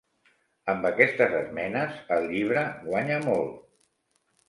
Amb aquestes esmenes, el llibre guanya molt.